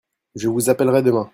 Je vous appellerai demain.